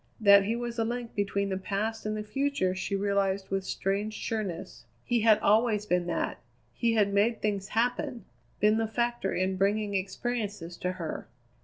That he was a link between the past and the future she realized with strange sureness. He had always been that. He had made things happen; been the factor in bringing experiences to her.